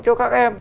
cho các em